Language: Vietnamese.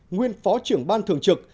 nguyên phó trưởng ban thường trực